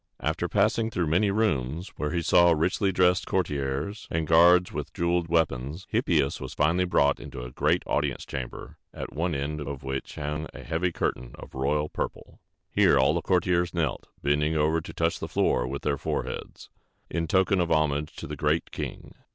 After passing through many rooms, where he saw richly dressed courtiers, and guards with jeweled weapons, Hippias was finally brought into a great audience chamber, at one end of which hung a heavy curtain of royal purple. Here all the courtiers knelt, bending over to touch the floor with their foreheads, in token of homage to The Great King.